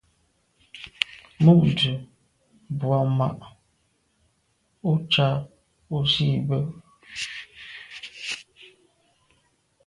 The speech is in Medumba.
Mû’ndə̀ bù à’ mà’ ú cá ú zî bə́.